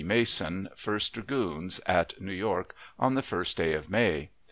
Mason, First Dragoons, at New York, on the 1st day of May.